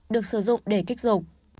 được sử dụng để kích dục